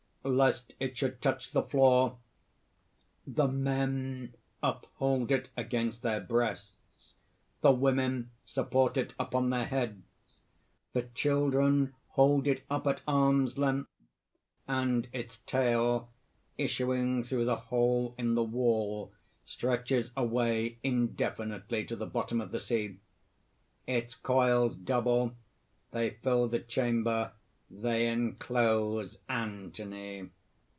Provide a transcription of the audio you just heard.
Lest it should touch the floor, the men uphold it against their breasts, the women support it upon their heads, the children hold it up at arms' length; and its tail, issuing through the hole in the wall, stretches away indefinitely to the bottom of the sea. Its coils double; they fill the chamber; they enclose Anthony.